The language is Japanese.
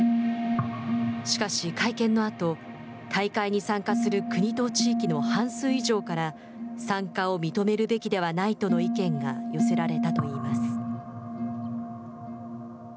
しかし、会見のあと大会に参加する国と地域の半数以上から参加を認めるべきではないとの意見が寄せられたといいます。